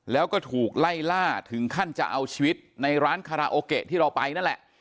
แล้วก็ถูกไล่ล่าถึงขั้นจะเอาชีวิตในร้านคาราโอเกะที่เราไปนั่นแหละ